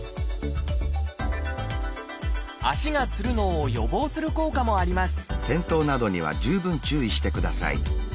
足がつるのを予防する効果もあります